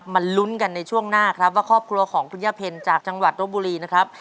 ลุ้นกันในช่วงหน้าครับว่าครอบครัวของคุณย่าเพ็ญจากจังหวัดรบบุรีนะครับ